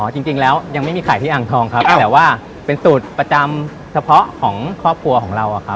จริงแล้วยังไม่มีขายที่อ่างทองครับแต่ว่าเป็นสูตรประจำเฉพาะของครอบครัวของเรา